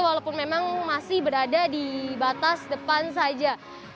walaupun memang masih berada di batas depan saja